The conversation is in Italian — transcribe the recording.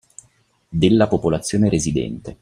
Della popolazione residente.